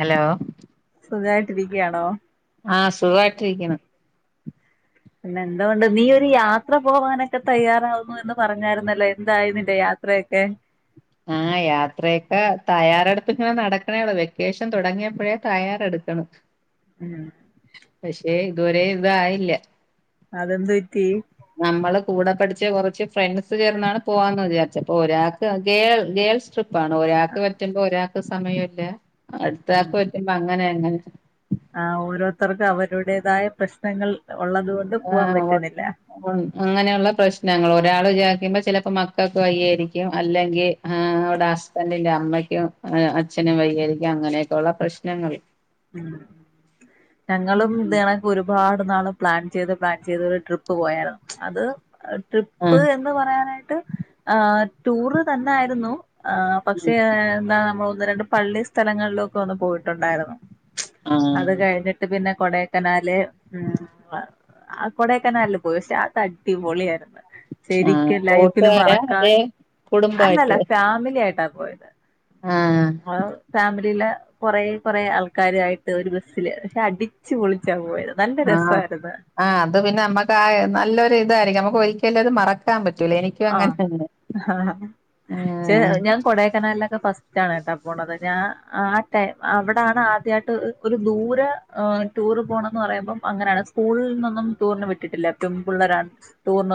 Hello? സുഖായിട്ടിരിക്കയാണോ ആഹ് സുഖായിട്ടിരിക്കണ്. പിന്നെ എന്തോ ഒണ്ട് നീ ഒരു യാത്ര പോവാനൊക്കെ തയ്യാറാവുന്നു എന്ന് പറഞ്ഞായിരുന്നല്ലോ എന്തായി നിന്റെ യാത്രയൊക്കെ? ആഹ് യാത്രയൊക്കെ തയ്യാറെടുപ്പിങ്ങനെ നടക്കണേള്ളോ വെക്കേഷൻ തുടങ്ങിയപ്പോഴേ തയ്യാറെടുക്കണം. ഉം. പക്ഷെ ഇതുവരെ ഇതായില്ല. അതെന്ത പറ്റീ നമ്മള് കൂടെ പഠിച്ച കുറച്ച് ഫ്രണ്ട്സ് ചേർന്നാണ് പോവാന്ന് വിചാരിച്ചപ്പോ ഒരാൾക്ക് ഗേ ഗേൾസ് ട്രിപ്പ ഒരാൾക്ക് പറ്റുമ്പോ ഒരാൾ സമയല്ലേ ഉം അടുത്തക്കെ പറ്റ അങ്ങനെ എങ്ങനെ ആ ഓരോരുത്തർക്കും അവരുടേതായ പ്രശ്നങ്ങൾ ഉള്ളത് കൊണ്ട് പൂവാൻ ആഹ് പറ്റുണില്ലാ അങ്ങനെയുള്ള പ്രശ്നങ്ങൾ ഒരാൾ വിചാരിക്കുമ്പോ ചിലപ്പോ മക്കൾക്ക് വയ്യാ യിരിക്കും അല്ലെങ്കിആ അവിടെ ഹസ്ബൻറിന്റെ അമ്മയ്ക്കും അച്ഛനും വയ്യാ യിരിക്കും അങ്ങനെക്കെ ഉള്ള പ്രശ്നങ്ങൾ ഉം ഞങ്ങളും ഇതണെ ഒരുപാട് നാള് പ്ലാൻ ചെയ്ത് പ്ലാൻ ചെയ്ത് രു ട്രിപ്പ് പോയാര് ന്നു അത് അഹ് ട്രിപ്പ് ആഹ് എന്ന് പറയാനായി ടൂറ് തന്നെ ആയിരുന്നു ആ പക്ഷേ ഉം എന്താ നമ്മ ന്ന് രണ്ട് പള്ളി സ്ഥലങ്ങളിലൊക്കെ ഒന്ന് പോയിട്ടുണ്ടായിരുന്നു അത് ആഹ് കഴിഞ്ഞിട്ട് പിന്നെ കൊടേക്കനാല് ഉം ആ കൊടേക്കനാൽ പോയി [unintelligible] അടിപൊളിയായിര് ന്നു ആഹ് ശരിക്കും ലൈഫില് കൂട്ടുകാരാ മറക്കാൻ അതെ അല്ലല്ല കുടുംബായിട്ടോ ഫാമിലി ആയിട്ടാ പോയതാ ആഹ് ആ ഫാമി ണ്ടില് കുറേ കുറെ ആൾക്ക ക്കാരുആ യിട്ട് ഒരു ബസ്സില് ശ അടിച്ച് പൊളിച്ചാ പോയത് നല്ല ആഹ രസായിരുന്നു ആഹ അത് പിന്നെ നമ്മക്ക് ആ നല്ലൊരു ഇതായിരിക്കും നക്ക് ഒരിക്കലും അത് മറക്കാൻ പറ്റു ആ ഹാ ച്ച് ആഹ് ഞാൻ കൊടേക്കനാൽ ലൊക്കെ ഫസ് ട്ടാ ണു ട്ടോ പോണത് ഞാൻ ആ ടൈം അവിടാ ണ് ആദ്യാ യിട്ട് ഒരു ദൂരെ ടൂർ പോണം ന്ന് പറയുമ്പം അങ്ങനെണ് സ്കൂളിൽന്നൊന്നും ടൂറിന് വിട്ടിട്ടില്ല പെമ്പിള്ളരാണ്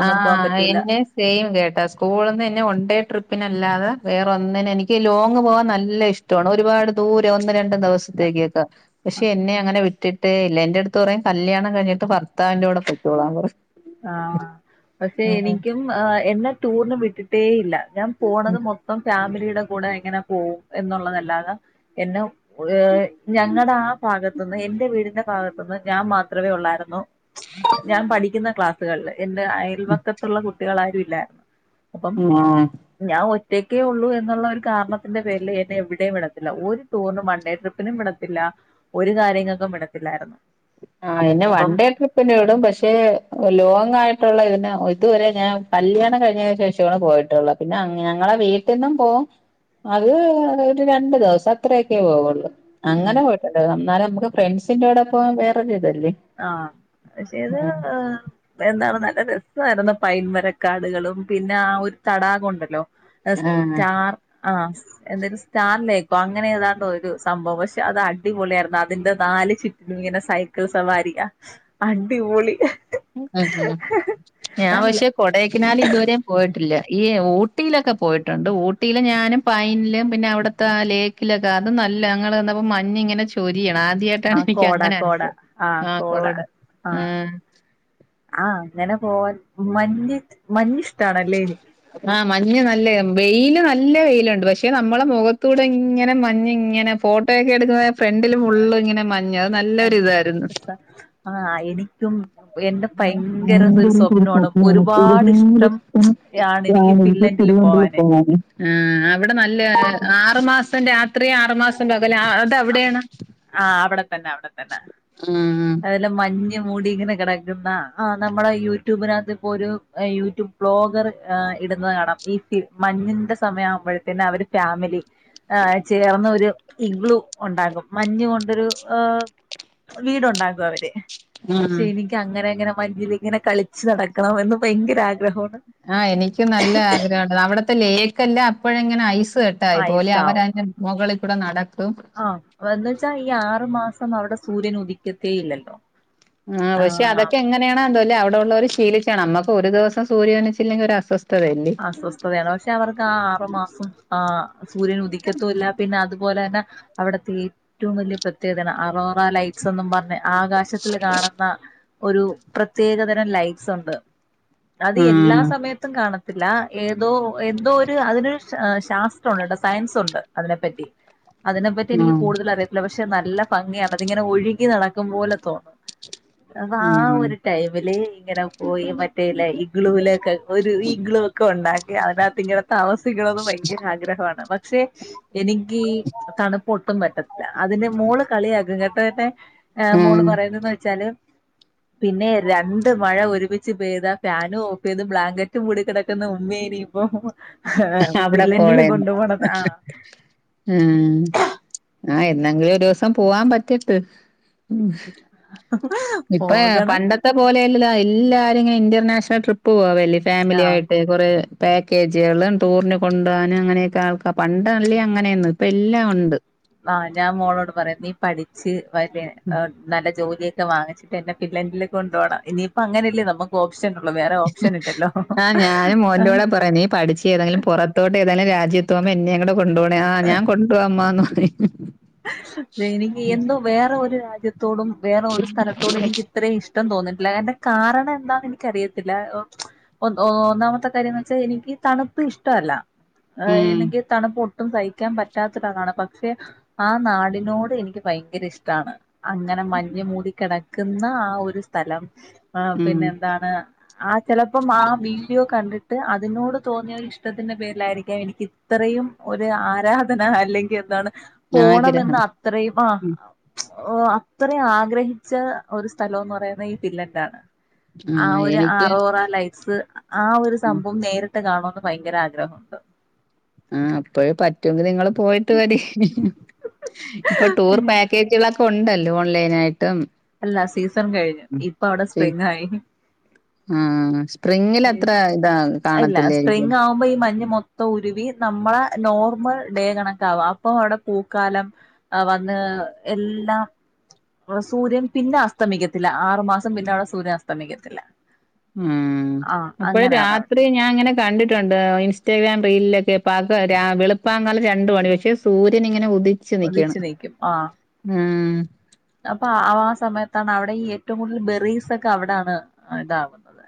ആഹ എന്നെ സെയിം കേട്ട സ്കൂളിൽന്ന്ന്നെ വൺ ഡേ ട്രിപ്പിന്ല്ലാതെ വേറെ ഒന്നിന് എനിക്കി ലോങ്ങ് പോകാൻ നല്ല ഇഷ്ടാ ണ് ഒരുപാട് ദൂരെ രണ്ടും ദിവസത്തേക്കക്കെ പക്ഷെ എന്നെ അങ്ങനെ വി വിട്ടിട്ടേ ഇല്ല എന്റെ അടുത്തു പറയും കല്യാണം കഴിഞ്ഞിട്ട് ഭർത്താവിന്റെറെ കൂടെ പോയ് ക്കോളാൻപറയും ആഹ് പക്ഷെ എനിക്കും ഏഹ് എന്നെ ടൂറിന് വിട്ടിട്ട് ഏ ഇല്ലാ ഞാൻ പോണത് മൊത്തം ഫാമിലിടെ കൂടെ എങ്ങനെ പോവും എന്നുള്ളതല്ലാതെ എന്നെ ഏഹ് ഞങ്ങളുടെ ആ ഭാഗത്തുന്ന് എന്റെ വീടിന്റെ ഭാഗത്തുന്ന് ഞാൻ മാത്രമേ ഉള്ളായിരുന്നു ഞാൻ പഠിക്കുന്ന [unintelligible] എന്റെ അയൽവക്കത്തുള്ള കുട്ടികളാരു ലെ അപ്പം ആഹ് ഞാ ഒറ്റ് ഒറ്റക്കേ ഉള്ളൂ എന്നുള്ള ഒരു കാരണത്തിന്റെ പേരില് എന്നെ എവിടെയും വിടത്തില്ല ഒരു ടൂറിനും വൺഡേ ട്രിപ്പിനും വിടത്തില്ല ഒരു കാര്യങ്ങൾക്കും വിടത്തില്ലായിരുന്നു ആഹ് എന്നെ വൺ അപ്പം ഡേ ട്രിപ്പിന് വിടും പക്ഷെ ലോങ് [unintelligible] ഇതിനെ ഇതുവരെ ഞാൻ കല്യാണം കഴിഞ്ഞതിന് ശേഷമാണ് പോയിട്ടുള്ള പിന്നെ ഞങ്ങളെ വീട്ടിൽന്നും പോകും അത് ഒരു രണ്ടു ദിവസം അത്രയൊക്കെ പോവുള്ളു ഉം അങ്ങനെ പോയിട്ടുണ്ട് അന്നേരം നമുക്ക് ഫ്രണ്ട്സിന്റോടൊപ്പം വെ അതെ ആഹ് പക്ഷേത് എന്താണ് ന രസായിരുന്നു പൈൻമരക്കാടുകളും പിന്നെ ആ ഒരു തടാകം ഉണ്ടല്ലോ ആഹ് സ്റ്റാർ ആഹ് എന്തേനു സ്റ്റാറിലേക്കോ അങ്ങനെ ഏതാണ്ടോ ഒരു സംഭവം പക്ഷെ അത് അടിപൊളിയായിരുന്നു അതിന്റെ നാല് ചുറ്റും ഇങ്ങനെ സൈക്കിൾസ് സവാരിക അടിപൊളി ഉം ഞാൻ നല്ല പക്ഷെ കൊടേക്കനാല് ഇതുവരെ പോയിട്ടില്ല ഈഊ ഊട്ടിയിലൊക്കെ പോയിട്ടുണ്ട് ഊട്ടിയിൽ ഞാനും പൈനിലും പിന്നെ അവിടുത്തെ ലേക്കിലൊക്കെ അത് നല്ല ഞങ്ങൾ വന്നപ്പോ മഞ്ഞ് ഇങ്ങനെ ചൊരിയാ ആദ്യായിട്ടാണ് ആഹ് എനിക്ക് കോട അങ്ങനെ കോട അനുഭവം ആഹ് ആ കോട ആഹ് ആഹ് [unintelligible] പോവാൻ മഞ്ഞ് മഞ്ഞ് [unintelligible] ആ മഞ്ഞ് നല്ല വെയില് നല്ല വെയിലുണ്ട് പക്ഷെ നമ്മളെ മുഖത്തൂടെ ഇങ്ങനെ മഞ്ഞ് ഇങ്ങനെ ഫോട്ടോയൊക്കെ എടുക്കുന്ന നേര ഇതായിരുന്നു ആഹ് എനിക്കും എന്റെ ഭയങ്കര ഒരു സ്വപ്നവാണ് ഒരുപാട് ഇഷ്ടം ആണ് [unintelligible] എനിക്ക് ഫിൻലൻഡില് പോവാന് ആഹ് ഇവിടെ നല്ലയൊരു ആറുമാസ [unintelligible] രാത്രി ആറു മാസം [unintelligible] അതവിടെയാണ് ഉം [unintelligible] അതിലെ മഞ് മഞ്ഞ് മൂടി ഇങ്ങനെ കിടക്കുന്ന ആഹ് നമ്മുടെ യൂട്യൂബിനകത്ത് ഇപ്പോ ഏഹ് ഒരു യൂട്യൂബ് ബ്ലോഗർ ഏഹ് ഇടുന്നത് കാണാം ഈ മഞ്ഞിന്റെ സമയം ആവുമ്പോഴത്തന്നെ അവര് ഫാമിലി ഏഹ് ചേർന്ന് ഒരു ഇഗ്ലു ഉണ്ടാകും മഞ്ഞ കൊണ്ടൊരു ഏഹ് വീടുണ്ടാകും അവര് ശെരിക്ക് അങ്ങനെ അങ്ങനെ മഞ്ഞിലിങ്ങനെ കളിച്ച് നടക്കണം എന്ന് ഭയങ്കര ആഗ്രഹു ആ എനിക്ക് നല്ല ആഗ്രഹണ്ട് അവിടത്തെ ലേയ്ക്കെല്ലാം ഇപ്പോഴങ്ങെനെ ഐസ് [unintelligible] പോലെ അവൻ അതിൻ്റെ മുകളിൽ കൂടെ നടക്ക- ആ വരുന്നുച്ചാ ഈ ആറു മാസം പ്പന്നവടെ സൂര്യനുദിക് ആ പക്ഷെ ആഹ് അതൊക്കെ എങ്ങനെയാണ് [unintelligible] അവിടുള്ളർ ശീലിച്ചാണ് അമ്മക്ക് ഒരു ദിവസം സൂര്യനിച്ചില്ലെങ്കി ഒരു അസ്വസ് അസ്വസ്ഥതയാണ് പക്ഷെ അവർക്ക് ആ ആറു മാസം ആ സൂര്യൻ ഉദിക്കത്തും ഇല്ല പിന്നെ അതുപോലെ ന്നെ അവിടത്തെ ഏറ്റവും വലിയ പ്രത്യേകത അറോറ ലൈറ്റ്സ് എന്നും പറ ലെ ആകാശത്തില് കാണുന്ന ഒരു പ്രത്യേകതരം ലൈറ്റ്സ് ഉണ്ട് അത് എല്ലാ ഉം സമയത്തും കാണ ല്ലാ ഏ ന്തോ എന്തോ ഒരു അതിനൊ ശാ ശാസ്ത്രം ഉണ്ട്ട്ടോ സയൻസ് ഉണ്ട് അതിനെപ്പറ്റി അതിനെപ്പറ്റി എനിക്ക് ഉം കൂടുതൽ അറിയത്തില്ല പക്ഷെ നല്ല ഭംഗിയാണ് അതിങ്ങനെ ഒഴുകി നടക്കും പോലെ തോന്നും അ ആ ഉം ഒരു ടൈമില് ഇങ്ങനെ പോയി മറ്റേല്ല ഇഗ്ലൂലൊക്കെ ഒരു റി തൊണ്ടാക്കി അതിനകത്ത് ഇങ്ങനെ താമസി- [unintelligible] ഭയങ്കര ആഗ്രഹവാണ് ബട്ട് ച്ചെ എനിക്ക് തണുപ്പൊട്ടും പറ്റ് [unintelligible] അതിന് മോള് കളിയാക്കും കേട്ടോ എന്നെ ആ മോള് ഉം പറയുന്നെന്ന് വെച്ചാല് പിന്നെ രണ്ട് മഴ ഒരുമിച്ച് പെയ്താ ഫാനും ഓഫ് യ്ത് ബ്ലാങ്കറ്റ് ക് മൂടി കിടക്കുന്ന ഉമ്മേനി പൊ അവിടെ പോണേന്ന് ഉം ആഹ് എന്നെങ്കിലും ഒരോസം പോവാൻ പറ്റട്ട് ഉം ഇപ്പ പോകണം എന്ന് പണ്ടത്തെ പോലെയല്ല എല്ല- തെങ്ങനെ ഇന്റർനാഷണൽ ട്രിപ്പ് പോവല്ല് ഫാമിലി ആഹ് ആയിട്ട് കുറെ പാക്കേജുകള് ടൂറിന് കൊണ്ടുആന് അങ്ങനെയൊക്കെ ആൾക്കാ പണ്ടല്ലേ അങ്ങനെയെന്ന് ഇപ്പ എല്ലാം ഒണ്ട് ആഹ് ഞാൻ മോളോട് പറയാ നീ പഠിച്ച് മറ്റെ അ നല്ല ജോലിയെ റ്റ വാങ്ങിച്ചിട്ട് എന്നെ ഫില്ലന്റില് കൊണ്ട് പോണം ഇനിയിപ്പ അങ്ങനല്ലെ നമ്മക്കൊ ആ ഞാനും ആഹ് മോൻ്റോട് പറയും നീ പഠിച്ച് ഏതെങ്കിലും പൊറത്തോട്ട് ഏതെലും രാജ്യ തോമ എന്നേം കൂടെ കൊണ്ടു പോണേ ആ ഞാൻ കൊണ്ടുപോവാ അമ്മാന്ന് [inaudible] അ എനിക്ക് എന്തോ വേറെ ഒരു രാജ്യത്ത് ത്തോടും വേറെ ഒരു സ്ഥലത്തോടും എനിക്ക് ഇത്ര ഇഷ് ഇഷ്ടം തോന്നീട്ടില്ല കാരണം എന്താന്ന് എനിക്കറിയത്തില്ല ഒന്ന് ഒന്നാമത്തെ കാര്യംന്ന് വെച്ചാൽ എനിക്ക് തണുപ്പ് ഇഷ്ടല്ല ആ ഉം എനിക്ക് തണുപ്പൊ ഒട്ടും സഹിക്കാൻ പറ്റാത്ത ഒരാളാണ് പക്ഷെ ആ നാടിനോട് എനിക്ക് ഭയങ്കര ഇഷ്ടാണ് അങ്ങനെ മഞ്ഞ് മൂടി കിട ക്കുന്ന ആ ഒരു സ്ഥലം ആ ഉം പിന്നെ എന്താണ് ആ ചെലപ്പം ആ വീഡിയോ കണ്ടിട്ട് ട്ട് അതിനോട് തോന്നിയ ഇഷ്ടത്തിന്റെ പേരിലായിരിക്കാം എനിക്ക് ഇത്രയും ഒരു ആരാധന അല്ലെങ്കിൽ എന്താണ് ആഗ്രഹം പോണമെന്ന് അത്രയും ആ അത്രയും ആഗ്രഹിച്ച ഒരു സ്ഥലോന്ന് പറയുന്നത് ഈ പില്ലറ്റാണ് ആ ആഹ് ഒരു എനിക്ക് ആറോറ ലൈറ്റ്സ് ആ ഒരു ഉം സംഭവം നേരിട്ട് ട്ട് കാണണോന്ന് ഭയങ്കര ആഗ്രഹമുണ്ട് ആ അപ്പഴേ പറ്റുമെങ്കിൽ നിങ്ങ പോയിട്ട് വരി ഇപ്പൊ ടൂർ പാക്കേജുക ഒണ്ടല്ലോ ഓൺലൈനായിട്ട് അല്ല സീസൺ കഴിഞ്ഞു ഇപ്പ അവിടെ സീ സ്പ്രിംങ്ങായി ആഹ് സ്പ്രിങ്ങിലത്ര ഇതാ ഇല്ല കാണത്തില്ലായിരിക്കും സ്പ്രിങ് ആവുമ്പോ ഈ മഞ്ഞ് മൊത്തം ഉരുകി നമ്മളെ നോർമൽ ഡേ കണക്കാവാ അപ്പൊ അവിടെ പൂക്കാലം വന്ന് എല്ലാം സൂര്യൻ പിന്നെ അസ്തമിക്കത്തില്ല ആറുമാസം പിന്നെ അവിടെ സൂര്യൻ അസ്തമിക്കത്തില്ല ഉം ആഹ് അപ്പോഴ അങ്ങനെയാണ് അവിടെ രാത്രി ഞാൻ അങ്ങനെ കണ്ടിട്ടുണ്ട് ഇൻസ്റ്റാഗ്രാം റീലിൽ [unintelligible] വെളുപ്പാങ്കലം രണ്ട് മണി പക്ഷെ സൂര്യൻ ഇങ്ങനെ ഉ ടിച്ച് നിക്ക്യണ് ഉദിച്ചു ഉം ഉം [unintelligible] അപ്പ ആ ആ സമയത്താണ് അവിടെ ഈ ഏറ്റവും കൂടുതൽ ബെറീസ്ക്ക അവിടാണ് ഇതാവുന്നത്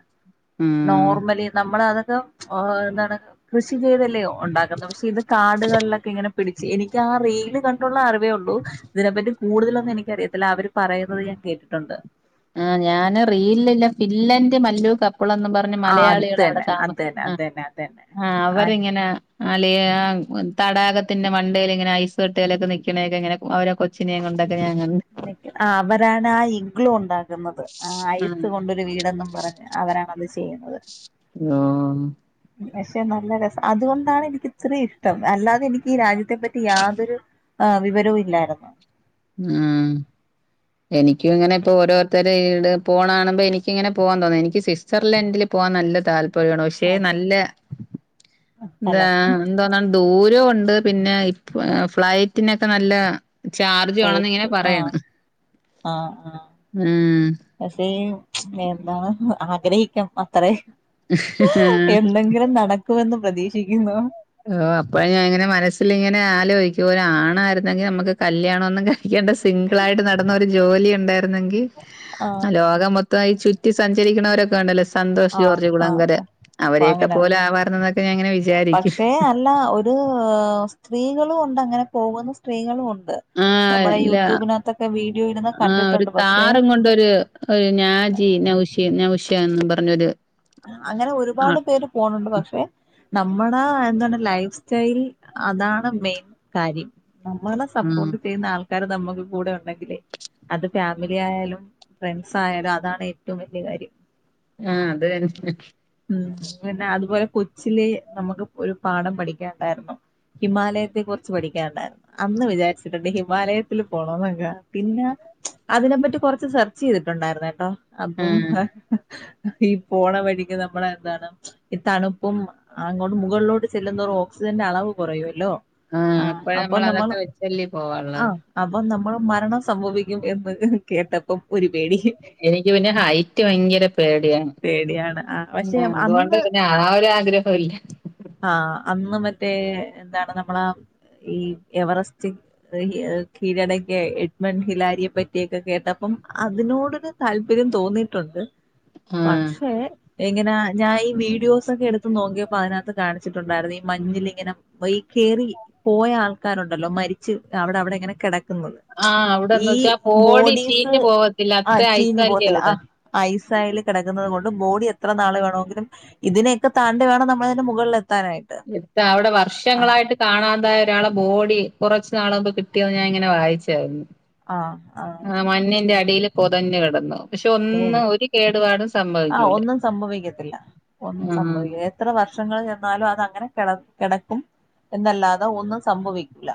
ഉം നോർമലി നമ്മള് അത് തം ഓ ന്താണ് കൃഷി ചെയ്തല്ലെ ഒണ്ടാക്കുന്നത് പക്ഷെ ഇത് കാടുകൾലൊക്കെ ഇങ്ങനെ പിടിച്ച് എനിക്ക് ആ റീല് കണ്ടുള്ളറിവ് വേ ഉള്ളൂ തിനെപ്പറ്റി കൂടുതലൊന്നു എനി ക്കറിയത്തില്ല അവര് പറയുന്നത് ഞാൻ കേട്ടിട്ടൊണ്ട് ആഹ് ഞാൻ റീല്ല്ല്ല ഫിൻലൻഡ് മല്ലു ക പ്പ്ളെന്ന് പറഞ്ഞ് ആ അത് മലയാളികൾ അവിടെ തന്നെ അത് താമസിക്ക തന്നെ ആ അത് തന്നെ അത് തന്നെ ആ അവരിങ്ങനെ അലെ ആ തടാകത്തിന്റെ മണ്ടേല് ഇങ്ങനെ ഐസ് കട്ടേലൊക്കെ നിക്ക്ണേക്കെ ഇങ്ങനെ അവരെക്ക കൊച്ചിനെ കൊണ്ട് അവരാണ് ആ ഇഗ്ലു ഉണ്ടാക് ന്നത് ആ ഐസ് ആഹ് കൊണ്ടൊരു വീടെന്നും പറഞ്ഞ് അവരാണ് അത് ചെ ചെയ്യുന്നത് ആഹ് പക്ഷെ നല്ല രസ അതുകൊണ്ടാണ് എനിക്ക് ഇത്രെയ്‌ ഇഷ്ടം അല്ലാതെ എനിക്ക് ഈ രാജ്യത്തെ പറ്റി യാതൊരു അ വിവരവും ഇല്ലായിരുന്നു ആ എനിക്കു അങ്ങനെ ഇപ്പൊ ഓരോര്ത്തര് പോണാണുമ്പോ എനിക്കിങ്ങനെ പോവാൻ തോന്നു എനിക്ക് സ്വിറ്റ്സർലൻഡില് പോവാൻ നല്ല താല്പ ണ പക്ഷെ നല്ല ന്താ സ്ഥലം ന്തോന്നാണ് ദൂരോ ഉണ്ട് പിന്നെ പ് ഫ്ലയ്റ്റിനോക്കെ നല്ല ചാ നേരിട്ട് ആഹ് ആഹ് ആഹ് ഉം. പക്ഷേ ക്ഷേ ന്താണ് അ മ്മക്കളെനിക്കും അത്രേ ഹഹ ഹാ സുഖംന്ന് പ്രതീക്ഷിക്കുന്നു ഓ അപ്പൊ ഞാനിങ്ങനെ മനസ്സിലങ്ങനെ അലോയ്ക്കും ഒരാണായിരുന്നെങ്കിൽ നമ്മക്ക് കല്യാനൊന്നും കഴി ക്ക് സിംഗിളായിട്ട് നടന്നാ രു ജോലിയുണ്ടായി രുന്നെങ്കിൽ ആഹ് ലോകമൊത്തായി ചുറ്റി ചുറ്റി സഞ്ചരിക്കുന്നവരൊക്കെ ഉണ്ടല്ലോ സന്തോഷ് ആഹ് ജോർജ് ആഹ് കുളങ്കര ആഹ് അപ്പൊ അവരെയൊക്കെ അങ്ങനെ പോലെ ആവാർന്നു എന്നൊക്കെ ഞാനിങ്ങനെ വിചാരിക്കും പക്ഷേ അല്ല ഒരു സ്ത്രീകളും ഉണ്ടങ്ങനെ പോവുന്ന സ്ത്രീകളും ഉണ്ട് ആഹ് നമ്മുടെ അല്ല യൂട്യൂബിനകത്തൊക്കെ വീഡിയോ ഇടുന്ന ആഹ് ഒരു കണ്ടിട്ടുണ്ട് പക്ഷെ തരാൻ കൊണ്ടൊരു ഞാജി നൗശി നൗശിയാംന്ന് പറഞ്ഞ് റഞ്ഞൊരു അങ്ങനെ ഒരുപാട് പേര് പോണണ്ട് പക്ഷെ നമ്മുടെ എന്താ ലൈഫ് സ്റ്റൈൽ അതാണ് മെയിൻ കാര്യം നമ്മളെ ആഹ്. സപ്പോർട്ട് ചെയ്യുന്ന ആൾക്ക ആക്കർ നമ്മുക്ക് കൂടെ ഉണ്ടെങ്കിലേ അത് ഫാമിലി ആയാലും ഫ്രണ്ട്സ് ആയാലും അതാണ് ഏറ്റവും വലിയ കാര്യം ആഹ് അത് തന്നെ ഉം പിന്നെ അതുപോലെ കൊച്ചില് നമുക്ക് ഒരു പാഠം പഠിക്കാൻ ഉണ്ടായിരുന്നു ഹിമാലയത്തെ കുറിച്ച് പഠികാൻ ഉണ്ടായിരുന്നു അന്ന് വിചാരിച്ചിട്ടുണ്ട് ഹിമാലയത്തിൽ പോണ നക്ക പിന്നെ അതിനെപ്പറ്റി കുറച്ച് സെർച്ച് ചെയ്തിട്ടുണ്ടായിരുന്ന കേട്ടോ ആ. അപ്പും [inaudible] പോണ വഴിക്ക് നമ്മള എന്താണ് ഈ തണുപ്പും അങ്ങോട്ടും മുകളിലോട്ട് ചെല്ലുന്നവർ ഓക്സിജന്റെ അളവ് കുറയുമല്ലോ ആഹ് ആ ഇപ്പഴ അപ്പൊ നമ്മൾ അതൊക്കെ വെച്ചല്ലേ ആ പോവാനുള്ളത് അപ്പൊ നമ്മൾ മരണം സംഭവിക്കും എന്ന് കേട്ടപ്പം ഒരു പേടി എനിക്ക് പിന്നെ ഹൈറ്റ് ഭയങ്കര പേടിയാണ് പേടിയാണ് പക്ഷെ ആ അതുകൊണ്ട് ആ ഒരു ആഗ്രഹമല്ല ആ അന്ന് മറ്റേ എന്താണ് നമ്മളാ ഈ എവറസ്റ്റ് കീഴടക്കിയ എഡ്മൺ ഹിലാരിയെ പറ്റിയൊക്കെ കേട്ട അപ്പം അതിനോടൊരു താല്പര്യം തോന്നിയിട്ടുണ്ട് ആ. പക്ഷേ എങ്ങനെ ഞാൻ ഈ വീഡിയോസ് ഒക്കെ എടുത്തു നോങ്ങിയപ്പോ അതിനകത്ത് കാണിച്ചിട്ടുണ്ടായിരുന്നു ഈ മഞ്ഞിലിങ്ങനെ ഈ കേറി പോയ ആൾക്കാരുണ്ടല്ലോ മരിച്ച് അവിടെ അവിടെ ഇങ്ങനെ കിട ആ അവിടെന്ന് ഈ വെച്ചാ ബോഡി ബോഡീസ് ചീഞ്ഞ് പോവത്തില്ല. ആ അത്ര ച്ചിഞ്ഞ് ഐസല്ലേ പോവത്തിലെ ആ അവിടെ. ഐസയിൽ കിടക്കുന്നത് കൊണ്ട് ബോഡി എത്ര നാൾ വേണമെങ്കിലും ഇതിനൊക്കെ താണ്ടി വേണം നമ്മള് മുകളിലെ അവിടെ വർഷങ്ങളായിട്ട് കാണാതായ ഒരാളെ ബോഡി കുറച്ച് നാളുമ്പ് കിട്ടിയത് ഞാൻ ഇങ്ങനെ വായിച്ചായിരുന്നു ആഹ് ആഹ് ആ മണ്ണിന്റെ അടിയില് പൊ തഞ്ഞ് കിടന്നു പക്ഷെ ഒന്നും ശരി ഒരു കേടുപാടും ആഹ് സംഭവിക്കൂല ഒന്നും സംഭവിക്കത്തില്ല ആ ഷങ്ങൾ ചെന്നാലും അത് അങ്ങനെ കെട കെടക്കും എന്നല്ലാതെ ഒന്നും സംഭവിക്കില്ല